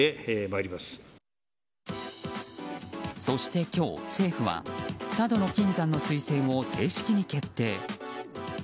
そして今日、政府は佐渡島の金山の推薦を正式に決定。